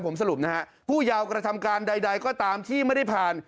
ผมสรุปนะฮะผู้ยาวกระทำการใดก็ตามที่ไม่ได้ผ่าน